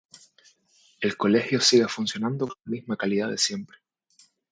El colegio sigue funcionando con la misma calidad de siempre!!!